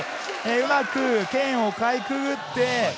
うまく剣をかいくぐって。